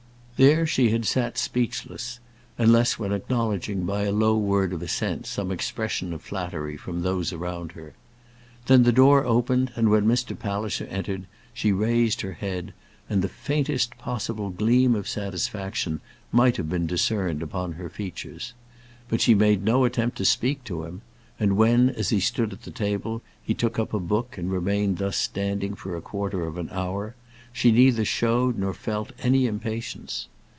There she had sat speechless, unless when acknowledging by a low word of assent some expression of flattery from those around her. Then the door opened, and when Mr. Palliser entered she raised her head, and the faintest possible gleam of satisfaction might have been discerned upon her features. But she made no attempt to speak to him; and when, as he stood at the table, he took up a book and remained thus standing for a quarter of an hour, she neither showed nor felt any impatience.